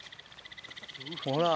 ほら。